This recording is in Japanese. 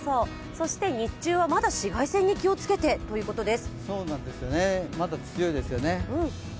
そして日中はまだ紫外線に気をつけてということです。